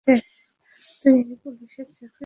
তুই এই পুলিশের চাকরি নিস না।